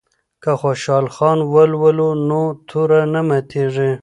که خوشحال خان ولولو نو توره نه ماتیږي.